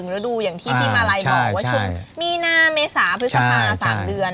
ฤดูอย่างที่พี่มารัยบอกว่าใช่มีนาเมษาพฤษฏภาคสาม